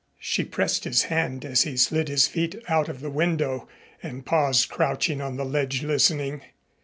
She pressed his hand as he slid his feet out of the window and paused crouching on the ledge listening.